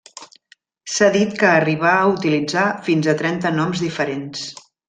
S'ha dit que arribà a utilitzar fins a trenta noms diferents.